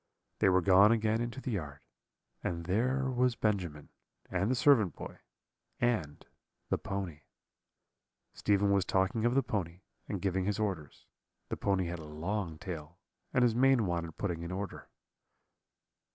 "They were gone again into the yard, and there was Benjamin, and the servant boy, and the pony. Stephen was talking of the pony, and giving his orders: the pony had a long tail, and his mane wanted putting in order.